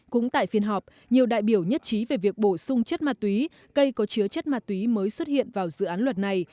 cũng tại phiên họp nhiều đại biểu nhất trí về việc bổ sung chất ma túy cây có chứa chất ma túy mới xuất hiện vào dự án luật này